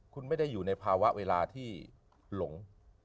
คุณไม่ได้อยู่ในภาวะเวลาที่หลง